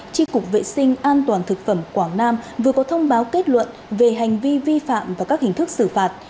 tri cục vệ sinh an toàn thực phẩm quảng nam vừa có thông báo kết luận về hành vi vi phạm và các hình thức xử phạt